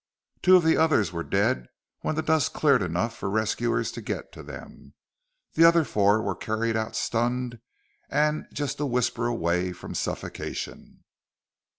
Two of the others were dead when the dust cleared enough for rescuers to get to them. The other four were carried out stunned and just a whisper away from suffocation.